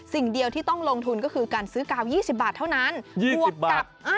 สิ่งเดียวที่ต้องลงทุนก็คือการซื้อกาว๒๐บาทเท่านั้นบวกกับ